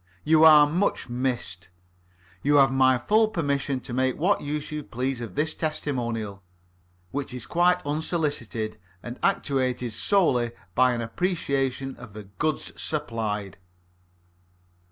You are much missed. You have my full permission to make what use you please of this testimonial, which is quite unsolicited, and actuated solely by an appreciation of the goods supplied.